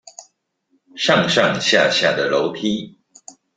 上上下下的樓梯